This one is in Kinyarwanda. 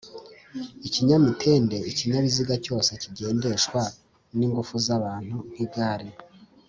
IkinyamitendeIkinyabiziga cyose kigendeshwa n’ingufu z’abantu nk’igare,…